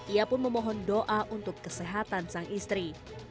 ia pun memohon doa untuk kesehatan sang istri